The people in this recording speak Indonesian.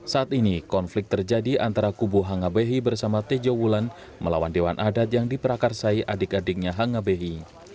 saat ini konflik terjadi antara kubu hanga behi bersama tejo wulan melawan dewan adat yang diperakarsai adik adiknya hanga behi